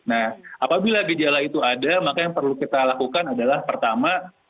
nah apabila gejala itu ada maka yang perlu kita lakukan adalah pertama